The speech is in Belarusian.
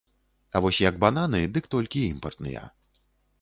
А вось як бананы, дык толькі імпартныя.